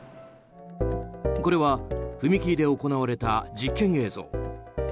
これは、踏切で行われた実験映像。